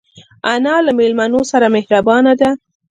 انا له مېلمنو سره مهربانه ده